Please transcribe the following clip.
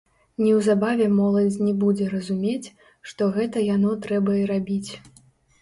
Неўзабаве моладзь не будзе разумець, што гэта яно трэба і рабіць.